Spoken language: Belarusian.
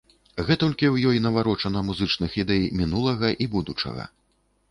Гэтулькі ў ёй наварочана музычных ідэй мінулага і будучага.